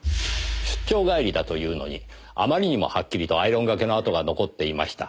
出張帰りだというのにあまりにもはっきりとアイロンがけのあとが残っていました。